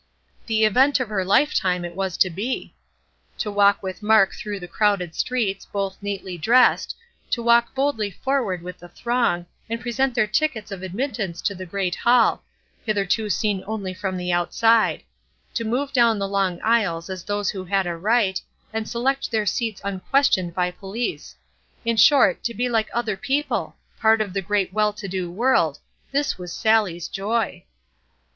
The event of her lifetime it was to be. To walk with Mark through the crowded streets, both neatly dressed; to walk boldly forward with the throng, and present their tickets of admittance to the great hall; hitherto seen only from the outside; to move down the long aisles as those who had a right, and select their seats unquestioned by police; in short, to be like other people part of the great well to do world, this was Sallie's joy!